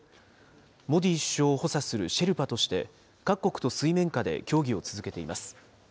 モディ首相を補佐するシェルパとして、各国と水面下で協議を続けています。